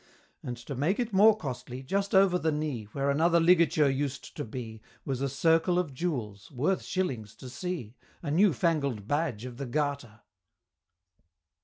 And to make it more costly, just over the knee, Where another ligature used to be, Was a circle of jewels, worth shillings to see, A new fangled Badge of the Garter!